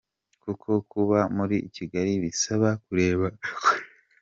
kuko kuba muri Kigali bisaba kureba kure.